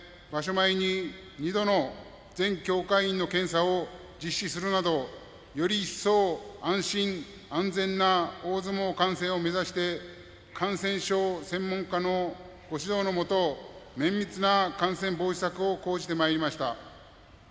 前に２度の全協会員の検査を実施するなどより一層、安心・安全な大相撲観戦を目指して感染症専門家のご指導のもと綿密な感染防止策を講じてまいりました。